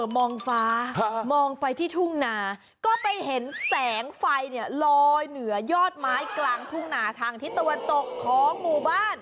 มองฟ้ามองไปที่ทุ่งนาก็ไปเห็นแสงไฟเนี่ยลอยเหนือยอดไม้กลางทุ่งนาทางทิศตะวันตกของหมู่บ้าน